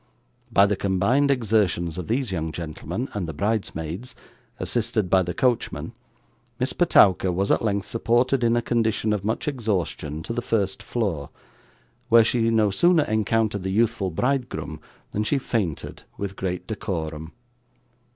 By the combined exertions of these young gentlemen and the bridesmaids, assisted by the coachman, Miss Petowker was at length supported in a condition of much exhaustion to the first floor, where she no sooner encountered the youthful bridegroom than she fainted with great decorum.